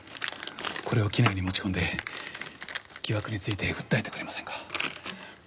これを機内に持ち込んで疑惑について訴えてくれませんか？